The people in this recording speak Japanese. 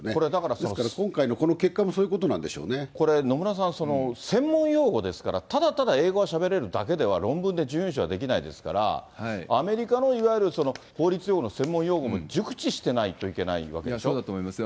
ですから、今回の結果もそういうこれ、野村さん、専門用語ですから、ただただ英語がしゃべれるだけでは論文で準優勝はできないですから、アメリカのいわゆる法律用語の専門用語も熟知してないといけないそうだと思いますよ。